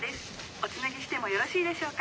おつなぎしてもよろしいでしょうか？